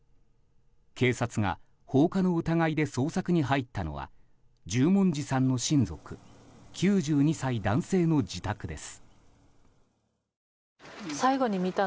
警察が放火の疑いで捜索に入ったのは十文字さんの親族９２歳男性の自宅です。